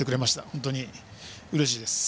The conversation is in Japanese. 本当にうれしいです。